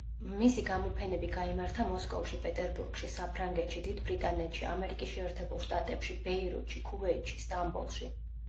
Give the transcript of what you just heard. მისი გამოფენები გაიმართა მოსკოვში, პეტერბურგში, საფრანგეთში, დიდ ბრიტანეთში, ამერიკის შეერთებულ შტატებში, ბეირუთში, ქუვეითში, სტამბოლში.